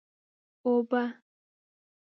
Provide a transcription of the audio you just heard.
اوبه!